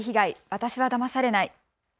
私はだまされない。